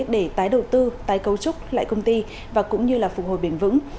để tái đầu tư tái cấu trúc lại công ty và cũng như là phục hồi bền vững